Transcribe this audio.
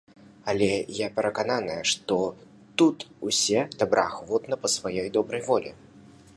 Але я перакананая, што тут усе добраахвотна, па сваёй добрай волі.